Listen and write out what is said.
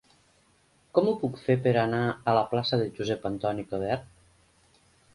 Com ho puc fer per anar a la plaça de Josep Antoni Coderch?